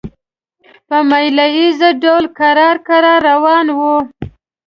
په مېله ییز ډول کرار کرار روان وو.